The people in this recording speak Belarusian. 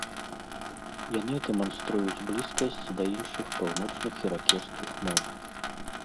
Яны дэманструюць блізкасць да іншых паўночных іракезскіх моў.